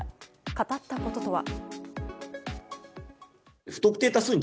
語ったこととは。